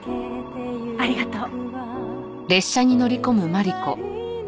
ありがとう。